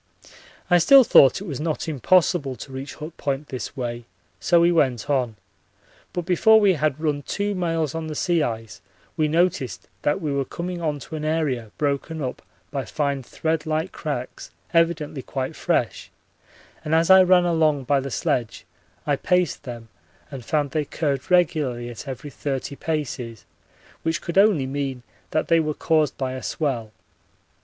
I still thought it was not impossible to reach Hut Point this way, so we went on, but before we had run two miles on the sea ice we noticed that we were coming on to an area broken up by fine thread like cracks evidently quite fresh, and as I ran along by the sledge I paced them and found they curved regularly at every 30 paces, which could only mean that they were caused by a swell.